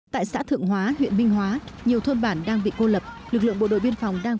tại xã thượng hóa huyện minh hóa nhiều thôn bản đang bị cô lập lực lượng bộ đội biên phòng đang